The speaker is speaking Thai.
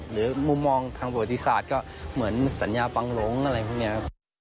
หรือมุมมองทางบริษัทก็เหมือนสัญญาปังลงอะไรพวกนี้